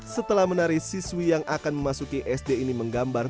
setelah menari siswi yang akan memasuki sd ini menggambar